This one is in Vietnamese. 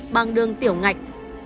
bằng đường tiểu ngạch